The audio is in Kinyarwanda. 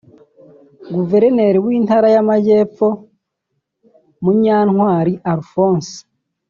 Guvenireri w’Intara y’Amajyepfo Munyantwari Alphonse